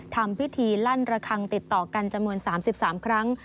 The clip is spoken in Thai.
ทำพิธีลั่นระคังติดต่อกันจำนวน๓๓ครั้ง